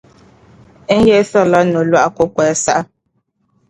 N yiɣisirila nolɔgu kukoli saha.